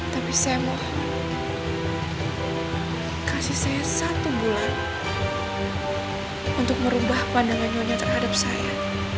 tapi saya mohon kasih saya satu bulan untuk merubah pandangan nyonya terhadap saya